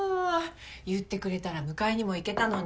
言ってくれたら迎えにも行けたのに。